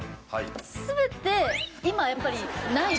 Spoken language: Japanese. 全て今やっぱりないですよね